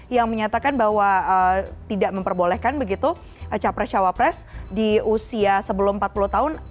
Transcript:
yang menyatakan bahwa tidak memperbolehkan begitu capres cawapres di usia sebelum empat puluh tahun